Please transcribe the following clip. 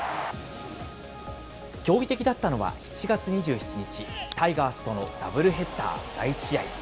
驚異的だったのは７月２７日、タイガースとのダブルヘッダー第１試合。